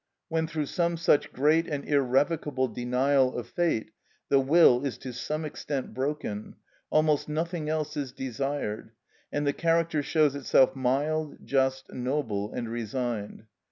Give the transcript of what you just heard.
When through some such great and irrevocable denial of fate the will is to some extent broken, almost nothing else is desired, and the character shows itself mild, just, noble, and resigned.